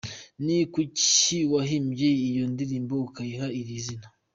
Ni kuki wahimbye iyo ndirimbo ukayiha ririya zina ?.